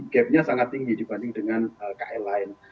gap nya sangat tinggi dibanding dengan kl lain